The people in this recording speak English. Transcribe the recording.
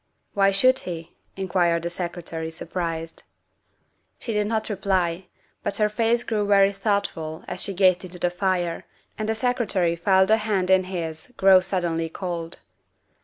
' Why should he ?" inquired the Secretary, surprised. She did not reply, but her face grew very thoughtful 356 THE WIFE OF as she gazed into the fire, and the Secretary felt the hand in his grow suddenly cold.